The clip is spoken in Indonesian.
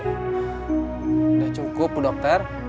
sudah cukup dokter